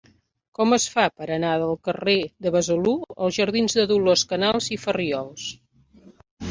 Com es fa per anar del carrer de Besalú als jardins de Dolors Canals i Farriols?